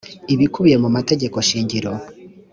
ibikubiye mu mategeko shingiro